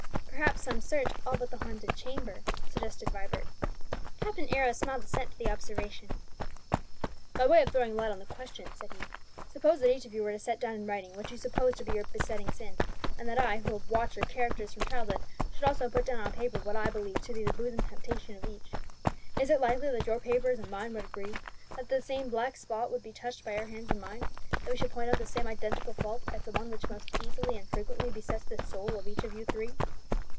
"Perhaps some search all but the haunted chamber," suggested Vibert. Captain Arrows smiled assent to the observation. "By way of throwing light on the question," said he, "suppose that each of you were to set down in writing what you suppose to be your besetting sin; and that I who have watched your characters from your childhood should also put down on paper what I believe to be the bosom temptation of each. Is it likely that your papers and mine would agree; that the same 'black spot' would be touched by your hands and mine; that we should point out the same identical fault as the one which most easily and frequently besets the soul of each of you three?"